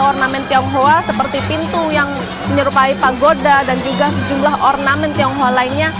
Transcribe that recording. ornamen tionghoa seperti pintu yang menyerupai pagoda dan juga sejumlah ornamen tionghoa lainnya